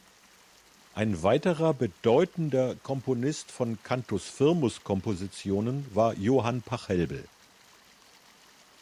Ein weiterer bedeutender Komponist von Cantus-firmus-Kompositionen war Johann Pachelbel.